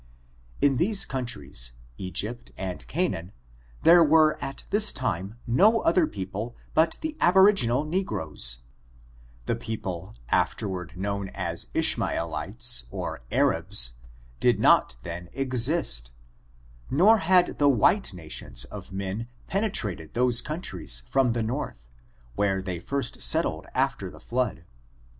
In these countries, Egypt and Canaan, there were at this time no other people but the aboriginal ne groes; the people, afterward known as Ishmaelites, or Arabs, did not then exist, nor had the white na* tions of men penetrated those countries from the north, where they first settled after the flood.